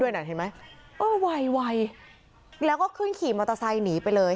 ไวแล้วก็ขึ้นขี่มรถไซล์หนีไปเลย